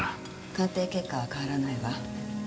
鑑定結果は変わらないわ。